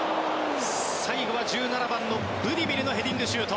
最後は１７番のブディミルのヘディングシュート。